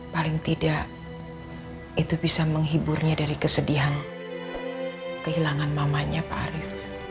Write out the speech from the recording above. paling tidak itu bisa menghiburnya dari kesedihan kehilangan mamanya pak arief